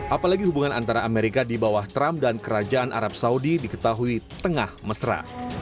apalagi hubungan antara amerika di bawah trump dan kerajaan arab saudi diketahui tengah mesra